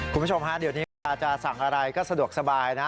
คุณผู้ชมฮะเดี๋ยวนี้เวลาจะสั่งอะไรก็สะดวกสบายนะ